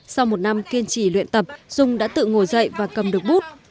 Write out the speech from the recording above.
sau một năm kiên trì luyện tập dung đã tự ngồi dậy và cầm được bút